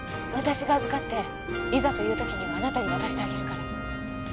私が預かっていざという時にはあなたに渡してあげるから。